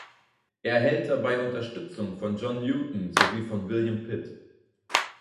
Er erhält dabei Unterstützung von John Newton sowie von William Pitt.